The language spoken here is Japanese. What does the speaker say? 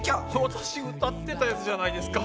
私歌ってたやつじゃないですか。